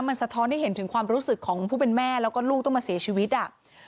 มันสะท้อนให้เห็นถึงความรู้สึกของผู้เป็นแม่แล้วก็ลูกต้องมาเสียชีวิตอ่ะ